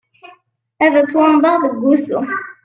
Ad ttwannḍeɣ deg usu.